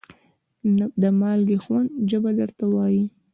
د مالګې خوند ژبه درته وایي.